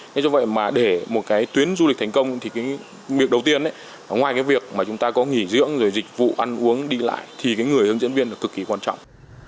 thế do vậy mà để một cái tuyến du lịch thành công thì cái việc đầu tiên ngoài cái việc mà chúng ta có nghỉ dưỡng rồi dịch vụ ăn uống đi lại thì cái người hướng dẫn viên là cực kỳ quan trọng